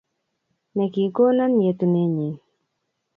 Ne kigona yetunennyi